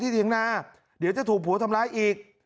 เดี๋ยวจะถูกผัวทำร้ายอีก